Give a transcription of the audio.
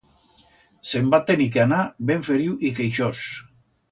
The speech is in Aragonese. Se'n va tenir que anar ben feriu y queixós.